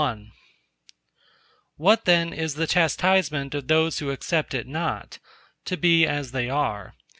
XXXII What then is the chastisement of those who accept it not? To be as they are.